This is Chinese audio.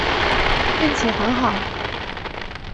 运气很好